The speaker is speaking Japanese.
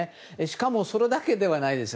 しかも、それだけではないんです